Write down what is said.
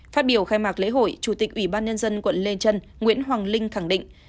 phát biểu khai mạc lễ hội chủ tịch ủy ban nhân dân quận lê trân nguyễn hoàng linh khẳng định